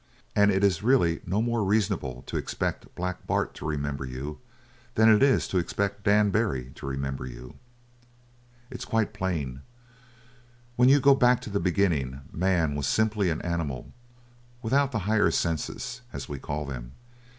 And it's really no more reasonable to expect Black Bart to remember you than it is to expect Dan Barry to remember you? It's quite plain. When you go back to the beginning man was simply an animal, without the higher senses, as we call them.